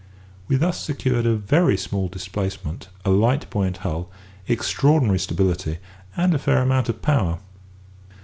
We thus secured a very small displacement, a light buoyant hull, extraordinary stability, and a fair amount of power.